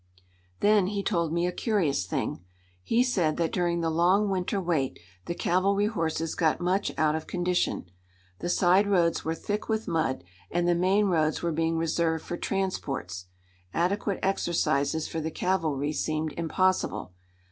Then he told me a curious thing. He said that during the long winter wait the cavalry horses got much out of condition. The side roads were thick with mud and the main roads were being reserved for transports. Adequate exercises for the cavalry seemed impossible.